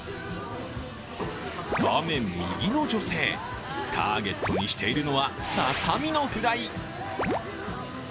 画面右の女性、ターゲットにしているのはささ身のフライ。